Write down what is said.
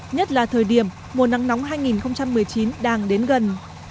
nhất là thời điểm mùa nắng nóng hai nghìn một mươi chín đang đến gần